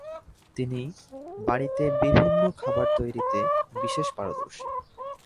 তিনি বাড়িতে বিভিন্ন খাবার তৈরীতে বিশেষ পারদর্শী।